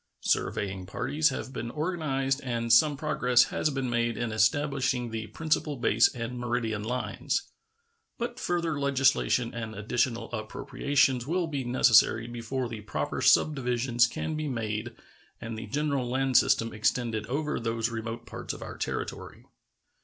Surveying parties have been organized and some progress has been made in establishing the principal base and meridian lines. But further legislation and additional appropriations will be necessary before the proper subdivisions can be made and the general land system extended over those remote parts of our territory.